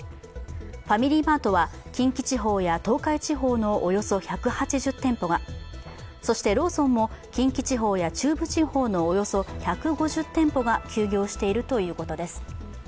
ファミリーマートは近畿地方や東海地方のおよそ１８０店舗が、そしてローソンも近畿地方や中部地方のおよそ１５０店舗が休業しているということです。